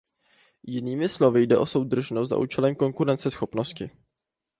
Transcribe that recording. Jinými slovy jde o soudržnost za účelem konkurenceschopnosti.